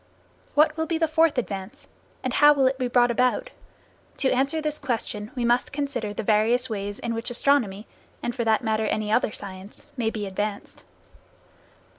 What will be the fourth advance, and how will it be brought about? To answer this question we must consider the various ways in which astronomy, and for that matter any other science, may be advanced.